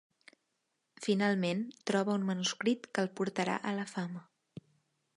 Finalment, troba un manuscrit que el portarà a la fama.